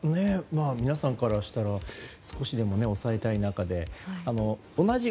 皆さんからしたら少しでも抑えたい中でね。